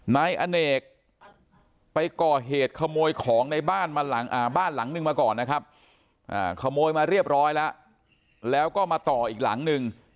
นายอเนกไปก่อเหตุขโมยของในบ้านมาหลังบ้านหลังนึงมาก่อนนะครับขโมยมาเรียบร้อยแล้วแล้วก็มาต่ออีกหลังนึง